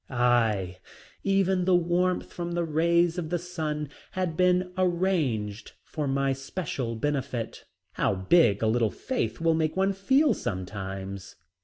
Aye, even the warmth from the rays of the sun had been arranged for my special benefit. How big a little faith will make one feel sometimes.